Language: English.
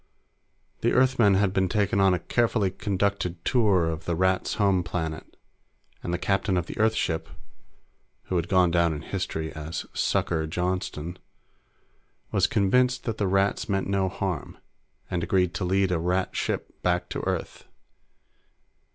The Earthmen had been taken on a carefully conducted tour of the Rats' home planet, and the captain of the Earth ship who had gone down in history as "Sucker" Johnston was convinced that the Rats meant no harm, and agreed to lead a Rat ship back to Earth.